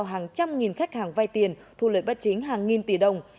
hàng trăm nghìn khách hàng vay tiền thu lợi bất chính hàng nghìn tỷ đồng